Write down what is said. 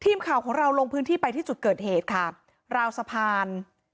ทีมข่าวของเราลงพื้นที่ไปที่จุดเกิดเหตุค่ะราวสะพาน